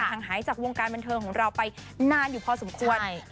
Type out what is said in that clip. ห่างหายจากวงการบันเทิงของเราไปนานอยู่พอสมควร